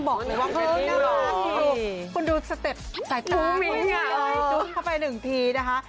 บอกเลยว่าเฮ้ยน่ารักคุณดูสเต็ปสายตุ้มเข้าไปหนึ่งทีนะคะ